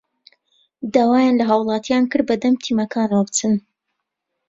داوایان لە هاوڵاتیان کرد بەدەم تیمەکانەوە بچن